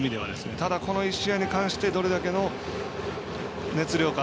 ただ、この１試合に関してはどれだけの熱量か。